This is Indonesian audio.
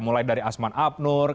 mulai dari asman abnur